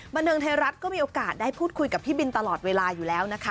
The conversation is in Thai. บันเทิงไทยรัฐก็มีโอกาสได้พูดคุยกับพี่บินตลอดเวลาอยู่แล้วนะคะ